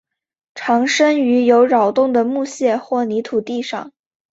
常生长于有扰动的木屑或泥土地上。